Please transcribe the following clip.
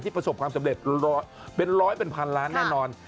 ประสบความสำเร็จเป็นร้อยเป็นพันล้านแน่นอน